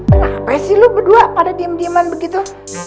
kenapa sih lo berdua pada diem dieman begitu